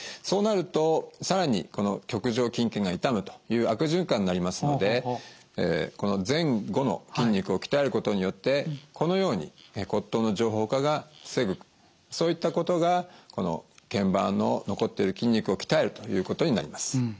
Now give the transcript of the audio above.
そうなると更にこの棘上筋腱が傷むという悪循環になりますのでこの前後の筋肉を鍛えることによってこのように骨頭の上方化が防ぐそういったことがこの腱板の残っている筋肉を鍛えるということになります。